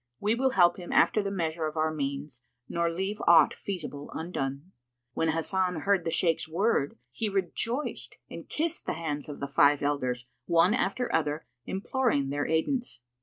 we will help him after the measure of our means, nor leave aught feasible undone." When Hasan heard the Shaykh's word he rejoiced and kissed the hands of the five elders, one after other, imploring their aidance.